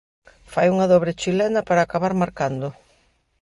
Fai unha dobre chilena para acabar marcando.